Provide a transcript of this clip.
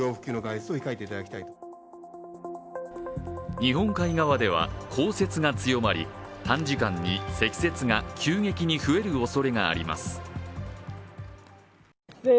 日本海側では降雪が強まり短時間に積雪が急激に増えるおそれがあります